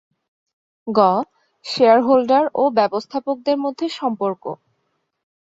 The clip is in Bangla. গ. শেয়ারহোল্ডার ও ব্যবস্থাপকদের মধ্যে সম্পর্ক